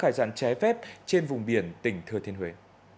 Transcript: hải sản trái phép trên vùng biển tỉnh thừa thiên huế